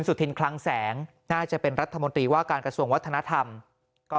สุธินคลังแสงน่าจะเป็นรัฐมนตรีว่าการกระทรวงวัฒนธรรมก็